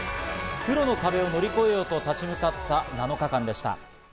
プロの壁を乗り超えようと立ち向かった７日間でした。